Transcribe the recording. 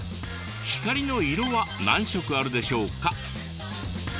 「光の色は何色あるでしょうか？」。